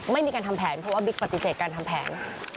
ไม่มีการทำแผนเพราะว่าบิ๊กปฏิเสธการทำแผน